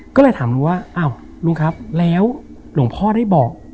ก็เลยถามลุงว่าอ้าวลุงครับแล้วหลวงพ่อได้บอก